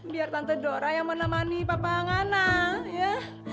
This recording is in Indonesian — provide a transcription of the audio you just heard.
biar tante dora yang menemani papa ngana ya